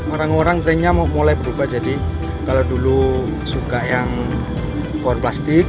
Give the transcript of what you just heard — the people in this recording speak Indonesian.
orang orang trennya mau mulai berubah jadi kalau dulu suka yang pohon plastik